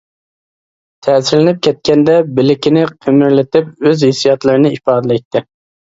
تەسىرلىنىپ كەتكەندە بىلىكىنى قىمىرلىتىپ، ئۆز ھېسسىياتلىرىنى ئىپادىلەيتتى.